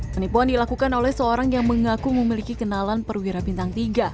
penipuan dilakukan oleh seorang yang mengaku memiliki kenalan perwira bintang tiga